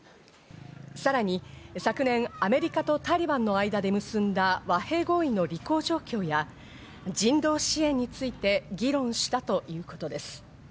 さらに昨年、アメリカとタリバンの間で結んだ和平合意の履行状況や人道支援について議論したということです。